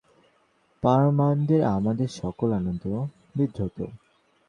সেই পরজ্ঞানের উপর আমাদের সমুদয় জ্ঞান প্রতিষ্ঠিত, সেই পরমানন্দেই আমাদের সকল আনন্দ বিধৃত।